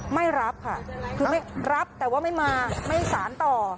ไม่รับค่ะคือไม่รับแต่ว่าไม่มาไม่สารต่อ